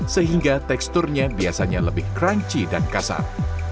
sehingga teksturnya biasanya lebih crunchy dan kasar